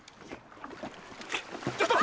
ちょっと！